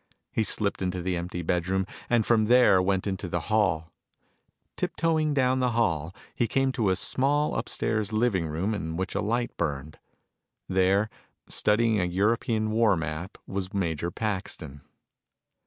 He slipped into the empty bedroom and from there went into the hall. Tiptoeing down the hall, he came to a small upstairs living room in which a light burned. There, studying a European war map was Major Paxton.